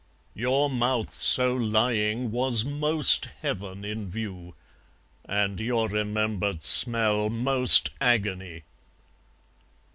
Your mouth so lying was most heaven in view, And your remembered smell most agony.